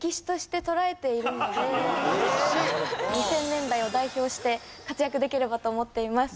２０００年代を代表して活躍できればと思っています。